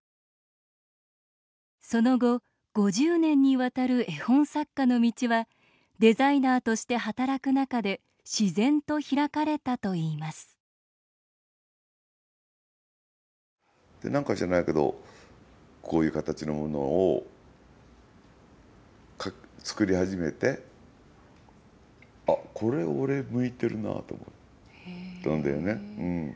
その後、５０年にわたる絵本作家の道はデザイナーとして働く中で自然と開かれたといいますなんか知らないけどこういう形のものを作り始めてあっ、これ、俺、向いてるなと思ったんだよね。